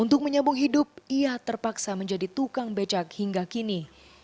untuk menyambung hidup ia terpaksa menjadi tukang becak hingga kini